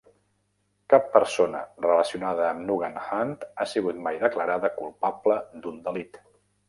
Cap persona relacionada amb Nugan Hand ha sigut mai declarada culpable d'un delit.